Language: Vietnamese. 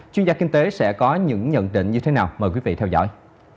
chuyên gia kinh tế sẽ có những nhận định như thế nào mời quý vị theo dõi